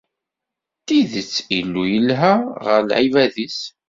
D tidet, Illu yelha ɣer lεibad-is.